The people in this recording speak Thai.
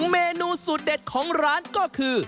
เมนูสูตรเด็ดของร้านก็คือ